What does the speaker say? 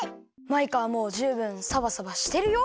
マイカはもうじゅうぶんサバサバしてるよ。